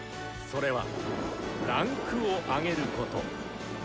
それは「位階を上げる」こと。